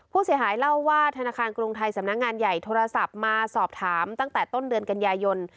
ผู้เสียหายเล่าว่าธนาคารกรุงไทยสำนักงานใหญ่โทรศัพท์มาสอบถามตั้งแต่ต้นเดือนกันยายน